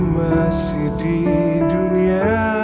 masih di dunia